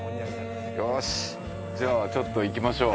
よしじゃあちょっと行きましょう。